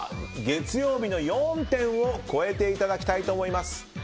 月曜日の４点を超えていただきたいと思います。